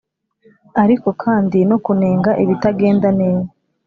ariko kandi no kunenga ibitagenda neza